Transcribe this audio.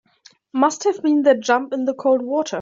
Must have been that jump in the cold water.